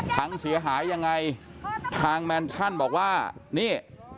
พังเสียหายยังไงทางแมนชั่นบอกว่านี่